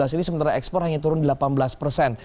ini sementara ekspor hanya turun delapan belas persen